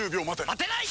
待てない！